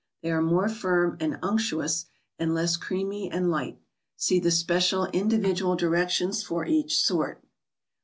They are more firm and unctuous, and less creamy and light. See the special, individual directions for each sort.